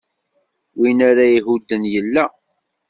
Win ara ihudden yella.